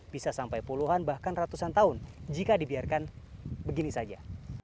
bisa sampai puluhan bahkan ratusan tahun jika dibiarkan begini saja